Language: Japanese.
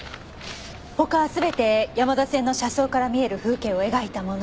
他は全て山田線の車窓から見える風景を描いたもの。